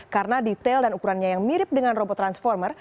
karena detail dan ukurannya yang mirip dengan robot transformer